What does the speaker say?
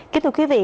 kính thưa quý vị